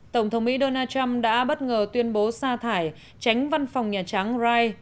tổng thống mỹ donald trump đã bất ngờ tuyên bố xa thải tránh văn phòng nhà trắng rai